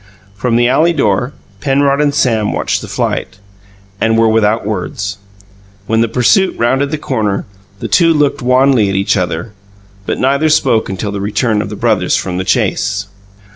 From the alley door, Penrod and Sam watched the flight, and were without words. When the pursuit rounded the corner, the two looked wanly at each other, but neither spoke until the return of the brothers from the chase.